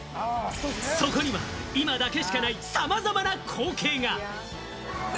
そこには今だけしかない、さまざまな光景が！